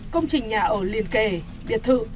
công trình nhà ở liền kề biệt thự